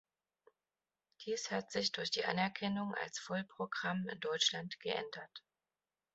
Dies hat sich durch die Anerkennung als Vollprogramm in Deutschland geändert.